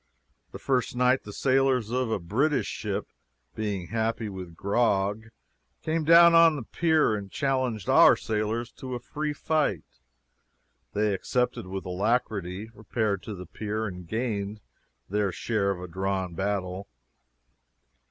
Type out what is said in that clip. The first night the sailors of a British ship, being happy with grog, came down on the pier and challenged our sailors to a free fight. They accepted with alacrity, repaired to the pier, and gained their share of a drawn battle.